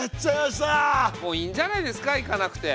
もういいんじゃないですか行かなくて。